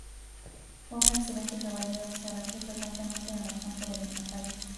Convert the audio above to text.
Fue un excelente caballero, se batió frecuentemente en el campo de batalla.